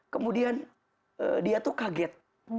kemudian dia tuh kaget